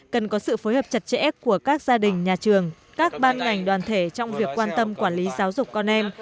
cần có sự phối hợp chặt chẽ của các gia đình nhà trường các ban ngành đoàn thể trong việc quan tâm quản lý giáo dục con em